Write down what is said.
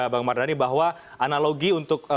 bang mardhani bahwa analogi untuk